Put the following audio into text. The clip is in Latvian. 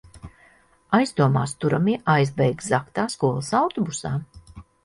Aizdomās turamie aizbēga zagtā skolas autobusā.